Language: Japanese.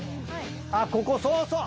あっここそうそう！